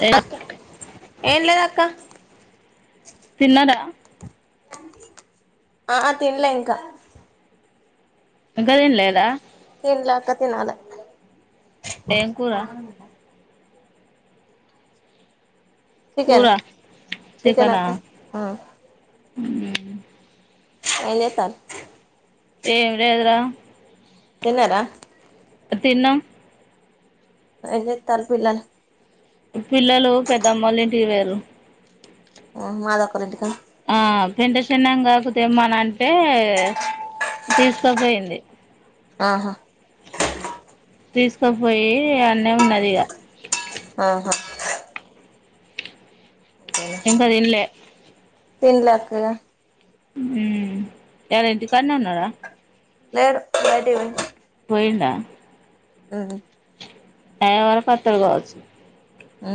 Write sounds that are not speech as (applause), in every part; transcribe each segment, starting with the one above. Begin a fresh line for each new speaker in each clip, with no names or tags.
madam
అక్క ఏం లేదు అక్క
తిన్నారా
ఆహా తినలే ఇంకా
ఇంకా తిన లేదా
తినలే అక్క తినాల
ఏం కూర
ఇప్పుడిప్పుడే
కూర
చికెన్ చికెన్
చికెనా
అక్క
మ్ అ
ఏంచేతాండ
ఏమి లేదరా
తిన్నరా
తిన్నాం
ఏం చేత్తలు పిల్లలు
పిల్లలు పెద్దమొల్లా ఇంటికి పోయిరు
ఓహొ మాధవక్కోలింటిక
ఆ పెంట చిన్నం కాకతేమ్మనంటే తీసుకోపోయింది
ఆహా
తీసుకపోయి అన్నే ఉన్నది ఇగ
ఆహా
ఇంకా తిన్లే
తిన్లే అక్క ఇగ
ఊ ఇయ్యాల ఇంటి కన్నే ఉన్నారా
లేడు బయిటికీ పోయిండు
పోయిండా
ఉహు
టైమ్ వరకు అత్తడు కావచ్చు
ఊ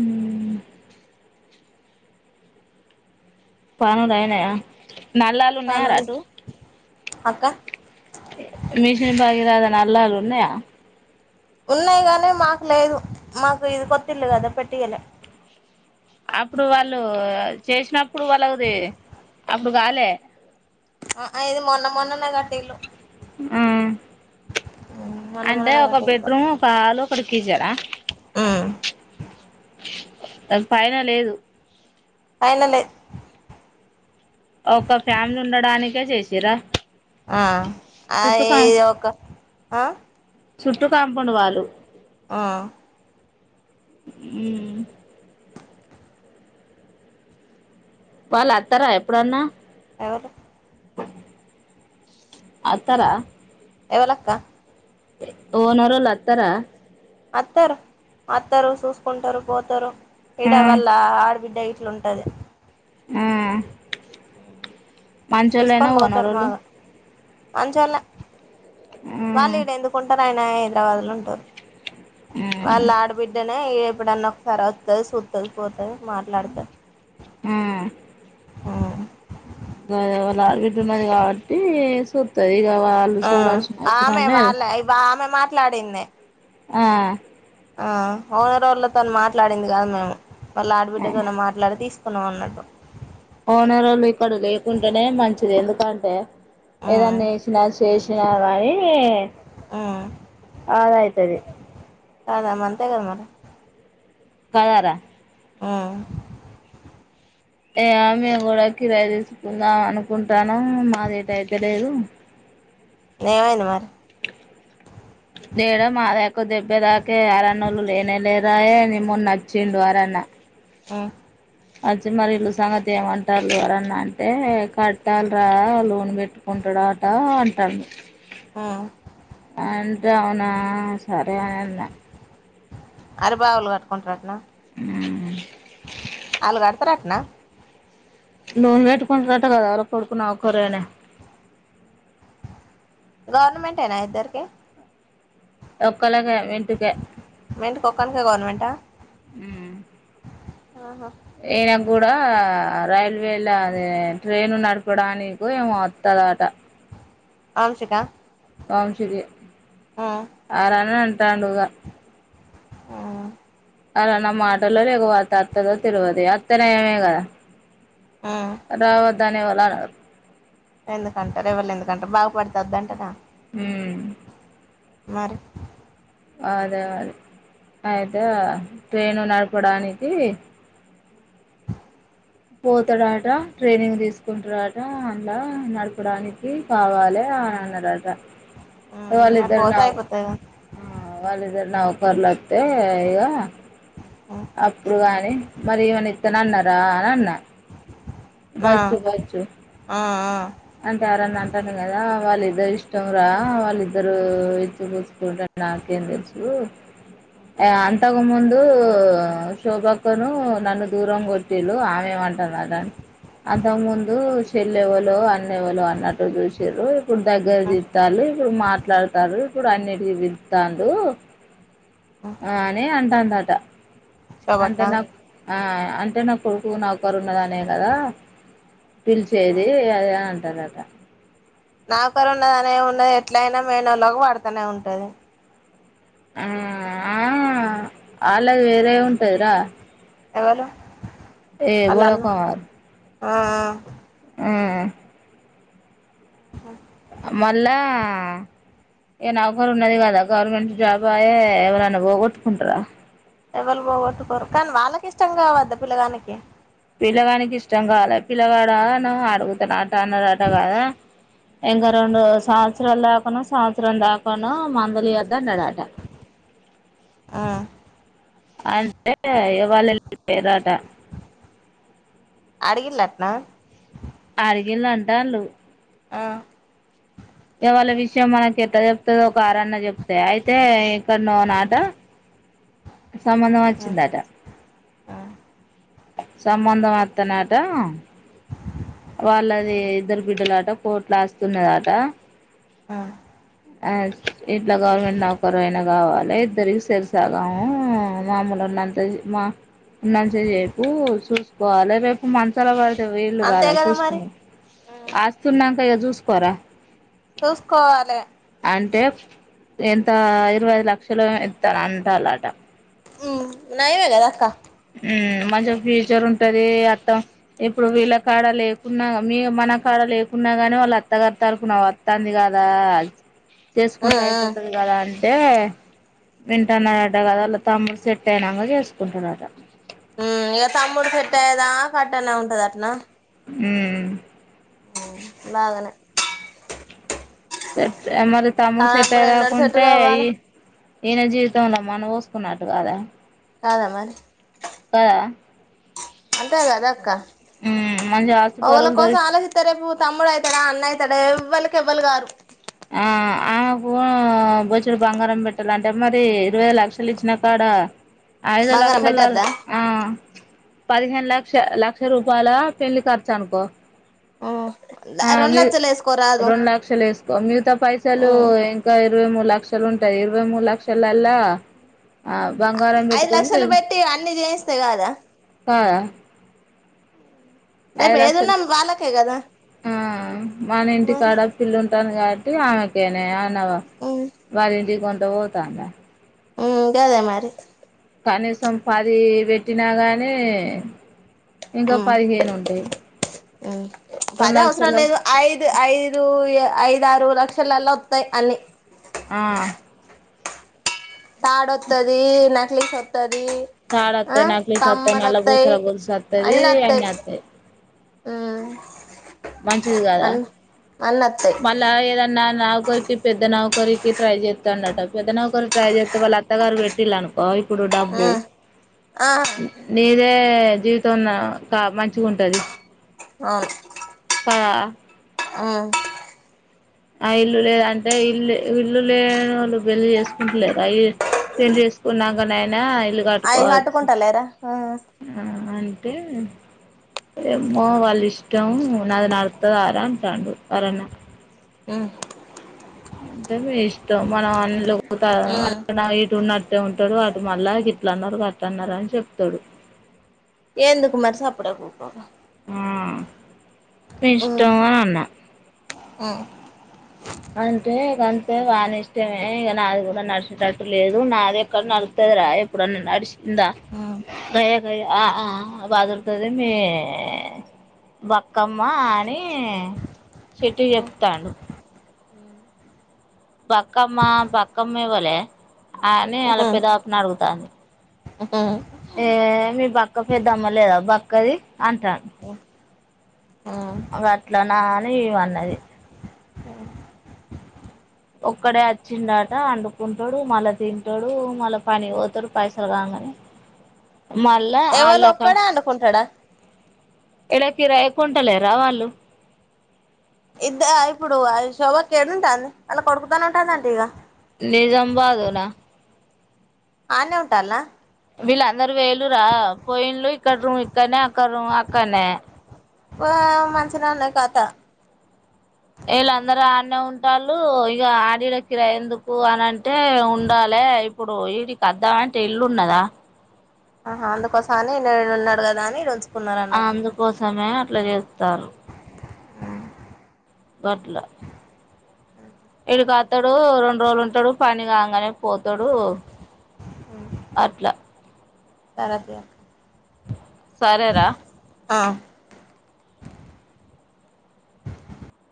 ఊ పనులైనయా నల్లాలు ఉన్నాయారా
పనులు
అటు
అక్క
మిషిన్ భగీరథ నల్లలు ఉన్నాయా
ఉన్నాయి కగానీ మాకు లేదు మాకు ఇది కొత్తిళ్ళు కదా పెట్టియలే
అప్పుడు వాళ్ళు చేసినప్పుడు వాళ్ళది అప్పుడు కాలే
ఆ ఇది మొన్న మొన్ననే కట్
ఆ
మొన్న
అంటే
మొన్ననే
ఒక బెడ్రూమ్ ఒక హాలు ఇప్పటికీ ఈ జల
ఆ
అది పైన లేదు
పైన లేద్
ఒక ఫ్యామిలీ ఉండడానికే చేసిరా
ఆ ఆ
చుట్టూ కా
ఏ ఒక ఆ
చుట్టూ కాంపౌండ్ వాళ్ళు
ఆ
ఉ వాళ్ళు అత్తరా ఎప్పుడన్నా
ఎవరు
ఆత్తరా
ఎవలక్క
ఓనరోళ్లు అత్తార
వత్తరు వత్తరు చూసుకుంటరు పోతారు ఇడ వాళ్ళ
ఆ
ఆడిబిడ్డ ఇ అట్లుంటది
ఊ మంచోళ్లేనా ఓనరోళ్లు
మజాల వాల ఇడందు కుంటారయణ హైదరాబాద్ లో ఉంటారు వాళ్ళ ఆడుబిడ్ ఎప్పుడన్నా ఒకసారి వస్తుంది చూతుది పోతుంది మాట్లాడుతుది
మ్మ్
మ్మ్
అదే వల్ల ఆడ బిడ్డ ఉన్నది కాబట్టి సూతది ఇ
ఆ ఆమె వాళ్ళ ఇ ఆమె మాట్లాడింది
ఆ
ఆ ఓనర్ వాళ్లతో మాట్లాడింది కాదు మేము వాళ్ళ ఆడబిడ్డతోనే మాట్లాడి తీస్త కొన అన్నదు
ఓనర్లు ఇక్కడ లేకుంటేనే మంచిది ఎందుకంటే
ఆ
ఏదన్నా వేసినా చేసినా కానీ
ఆ
ఆద అవుతుది
కాదమ్మ అంతే కద మరి
కద ర
ఆ
ఏయా మేము కూడా కిరాయి తీసుకుందాం అనుకుంటాను మాది అయితే లేదు
ఏమైంది మరి
లేయడం మా దాకు దెబ్బే దాకే అరన్నళ్ళలు లేనే లేదాయ ని మని నచ్చిండు అరన్న
ఆ
అది మరి ఇల్లు సంగతి ఏమంటారువరన్నా అంటే కట్టాల రా లూన్ పెట్టుకుంటాడా అట అంటాడు
ఆ
అంటే అవునా సరే అని అన్నా
అరి బావులు కట్టుకుంటారు అటన
మ్మ్
అలు గడతారటనా
లోూన్ నట్టుకుంటట కదర కొడుకున్నా ఒక ఒకరేనే
గవర్నమెంట్ ఏనా ఇద్దరీకి
ఒకే
మంట కొక్కనిక గవర్నమెంటా
మ్మ్
ఆహా
ఈయన కూడా రైల్వేల అద ట్రైను నడపడానికి ఏమో వత్తదట
ఆంషిక
వంశీ కే అరనా అంట తండ్రగ్
ఆ
అలా నా మాటల్లో లేకుపోత అత్తదో తిరుగుదు అత్తనే ఏమే కదా
ఆ
రావత దానే వ
ఎందుకంటారు ఎవల్నే ఎందుకంటారు బాగుపడితే వద్దంటనా
హ్మ్
మరి
అదే అదే అయితే ట్రైను నడపడానికి పోతాడట ట్రైనింగ్ తీసుకుంటాడట అన్లా నడపడానికి కావాలే అని అన్నాడట
మ్మ్ మరి
వాల్లిద్దరు
పోతే
నవ్
అయిపోతది కదా
ఆ వాళ్లిద్దరు నవ్ వర్లత్తె ఇగా అప్పుడు గాని మరి ఏమన ఇత్తను అన్నా రా అనా అన్న
ఆ
బచ్చు బచ్చు
ఆ ఆ
అంటే ఎవరన్నా అంటాను కదా వాళ్ళు ఇద్దరు ఇష్టం రా వాళ్ళిద్దరు ఇచ్చి పూచ్చుకుంట నాకేం తెలుసు అంతకు ముందు శోభా అక్కను నన్ను దూరం కొట్టిల్లు ఆమెమంటున్నారుని అంతకు ముందు చెల్లె ఎవలో అన్నె ఎవలో అన్నట్టు చూసిర్రు ఇప్పుడు దగ్గర తీత్తాల్లు ఇప్పుడు మాట్లాడతారు ఇప్పుడు అన్నిటికి పిళ్తాండు ఆనే అంట అ ట అంటే
శోభక్క
నా ఆ అంటే నా కొడుకు నా ఒకరు ఉన్నదనే కదా పిలిచేది అదే అంటనరు
నా కరు ఉన్నద అనే ఉండదు ఎట్ల అయినా మేనోళ్ళకి పడుతానే ఉంటది
ఆ ఆ వాళ్ళది వేరే ఉంటదిరా
ఎవలు
ఏ గోడా కుమార్
అ ఆ
హ్మ్
ఆఓహా
మళ్ళా ఏ నవకరు ఉన్నది కదా గవర్నమెంట్ జాబ్ ఆయె ఎవరన్నా పోగొట్టుకుంటారా
ఎవరు పోగొట్టుకోరు కానీ వాళ్ళకి ఇష్టం కావద్ద పిల్లగానికి
పిల్లగానికి ఇష్టం కాలే పిల్లగాడ ఆ అడుగుతున్నా న్నారట కదా ఇంకా రెండు సంవత్సరాల దాకానొ సంవత్సరం దాకానొ మందులు ఈయొద్దు అన్నాడట
హ్మ్
అంటే ఇగ వాళ్ళు ఎల్లిపేయిరట
అడిగిల్లట్నా
అరిగిళ్ళు అంటాన్లు
ఆ
ఇగ వాల్ల విషయం మనకి ఎట్ చెప్తదో ఒక అరన్న చెప్తే అయితే ఇక్కన్నో నాట సంబంధం వచ్చిందట సంబందం అత్ త్తనట వాళ్ళది ఇద్దరు బిడ్డలట కోట్లా ఆస్తున్నదాట
ఆ
ఆ ఇట్లా గవర్నమెంట్ నౌకరు అయినా కావాలి ఇద్దరికి సరి సగము మామ్ములు ఉన్నంత మా ఉన్నంత సేపు చూసుకోవాలి రేపు మంచాల పడ్ వీళ్ళు
అంతే
కాదా
కదా మరి
చూసుకుని ఆస్తునంక ఇగ చూసుకోరా
చూసుకోవాలే
అంటే ఎంత ఇరవై లక్ లు ఇత్తార్ అంటాలట
ఉమ్ నయమే కదా అక్క
ఉమ్ మంచిగా ఫ్యూచర్ ఉంటది అట్ట ఇప్పుడు వీళ్ళ కాడ లేకున్నా మీ మన కాడ లేకున్నా గాని వాళ్ళు అత్తగారి తరుపున వత్తాంది కదా చేసుకుంటే అయిపోతది కదా అం టే వింటన్నాడట కదా వాళ్ళ తమ్ముడు సెట్ అయినాక చేసుకుంటడట
ఉమ్ ఇగ తమ్ముడు సేట్టైయ్యే దాకా అట్టనే ఉంటడ్ అట్న
మ్మ్
బాగానే
సర్ మరి తమ్ముడి సెట్
తమ్ముడు
అయ్యే
ఎన్నడు సెట్
దాకుంటే ఇ
కావాలే
ఈయన జీవితంలో మన్ను పోసుకున్నట్టు కదా
కాదా మరి
కదా
అంతే కదక్క
ఉమ్ మంచి
ఒకలా
ఆస్తిపరువులు
కోసం
దొరికి
ఆలోచిస్తే రేపు తమ్ముడు అయితాడా అన్న అయితాడా ఎవ్వలికి ఎవ్వరు గారు
ఆ ఆమెకు బొచ్చెడు బంగారం పెట్టాలంటే మరి ఇరవై లక్షలు ఇచ్చినా కాడ ఐదు
బంగారం
లక్షల
పెట్టద్దా
ఆ పదిహేను లక్ష లక్ష రూపాయల పెళ్లి ఖర్చు అనుకో
ఆ
ఆ
రెండు లక్షలేసుకోరాదు
ఓంగీత పైసలు ఇంక ఇరవై మూడు లక్షలు ఉంటాయి ఇరవై మూడు లక్షల లా బంగారం పెట్టుకొని పేం
తే కాదా
కాదా
ఉమ్
ఐదు లక్షలు ఆ మన ఇంటి
మరి
కాడ పిల్లు ఉంటాను కాబ్ టి ఆ తేనే అన్నావు వాళ్ళింటికి పం ఎటు పోతందా
ఉ గదే మరి
కనీసం పది పెట్టినా గాని ఇంకా
హు
పదిహేను ఉంటాయి
హు
రెండు
పది అవసరం
లక్షల
లేదు ఐదు ఐదు ఐదు ఐదు ఆరు లక్షల వత్తాయి అన్ని
ఆ
తాడు వత్తాది నెక్లెస్ వత్తాది (inaudible)
తాడు ఆత్త ది నక్లెస్ వత్తాది
వస్తాయి
నల్లపూసల గొలుసు వత్తాది అన్ని వత్తాయి
ఆ
మంచిది కదా
వస్తాయి
మల్ల ఏదన్నా నౌకరికి పెద్ద నౌకరిక ట్రై చేస్తాడాంటా పెద్ద నౌకరికి ట్రై చేస్తే వాళ్ళ అత్తగారు పెట్టిల్లు అనుకో ఇప్పుడు డబ్బు
ఆ
నీదే నే జీవితం నా క మంచిగా ఉంటది
అవును
ఆ
ఓ
ఆ ఇల్లు లేద అంటే ఇల్లు ఇల్లు లేనోళ్లు పెళ్లి చేసుకుంటలేర పెళ్లి చేసుకున్నాంకనైన ఆయన
అయి కట్టుకుంటలేరా ఆ
ఆ అంటే ఏమో వాళ్ళ ఇష్టం నాది నడుస్తాదరా అంటాడు ఎవరన్నా
హు
అంటే మీ ఇష్టం మనం అన్లో గుతా ఇటు ఉన్నట్టే ఉంటాడు అటు మల్ల గిట్ల అన్నారు గా ఇట్లా అన్నారు అని చెప్తాడు
ఏందుకు మరి సప్పుడేకా ఉకోక
హు అయితే ఇష్టం అని అన్నా
హు
అంటే గంతే వాని ఇష్టమే ఇగా నాది కూడా నడిచేటట్టు లేదు నాది ఎక్కడ నడుతదిరా ఎప్పుడన్నా నడిచి ఉందా గయ్యగయ్య ఆ ఆ బదురుతది మీ బక్కమ్మ అని చిట్టికి చెప్తాండు బక్కమ్మ బక్కమ్మ ఇవ్వలే అని అలా పెదాకుని అడుగుతాంది ఏ బక్క పెద్ద అమ్మలేదా బక్కది అంటాడు అగు అట్ల నా అని ఇవన్నది ఒక్కడే వచ్చిండట వండుకుంటాడు మళ్ళా తింటాడు మళ్ళా పని పోతాడు పైసలు కాంగానే
ఎవళ ఒక్కడే అండుకుంటాడా
ఎళకిరా ఎకుంటల రా వాళ్ళు
ఇద్ద ఇప్పుడు శోభ ఏడు ఉంటుంది అలా కొడుకుతానే ఉంటుందింటడి ఇక
నిజాబాద్నా
ఆనే ఉంటాల
విలాంత అందరు వేలు రా పోయిలు ఇక్కడ ఇక్కనేక్క అక్కనే
ఆ మంచిినన్నా కాత
వీళ్ళందరూ ఆన్న ఉంటళ ఇక ఆడల కిరా ఎందుకు అనింట అంటే ఉండాలి ఇప్పుడు వడికిద్ద అంటే ఇల్లున్నదా
ఆహ అందుకోసం అని ఉన్నాడు కదా అని రోజు
ఆ అందుకోసమే అట్లా చేస్తారు బట్లా ఎడి కాతాడు రెండు రోజులు ఉంటాడు పని కాగానే పోతాడు అట్లా
సరా త
సరేరా
ఆ